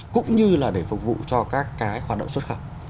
cũng như là để phục vụ cho các cái hoạt động xuất khẩu